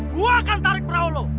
gue akan tarik perahu lo